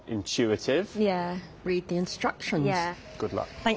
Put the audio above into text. はい。